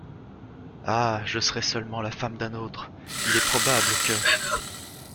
Ah ! je serais seulement la femme d’un autre, il est probable que !…